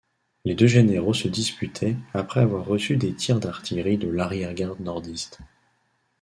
Les deux généraux se disputaient après avoir reçu des tirs d'artillerie de l'arrière-garde nordiste.